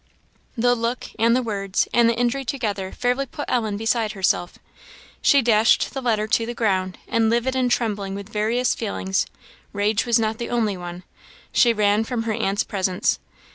The look, and the words, and the injury together, fairly put Ellen beside herself. She dashed the letter to the ground, and livid and trembling with various feelings, rage was not the only one, she ran from her aunt's presence.